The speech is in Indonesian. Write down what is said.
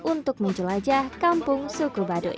untuk menjelajah kampung suku badut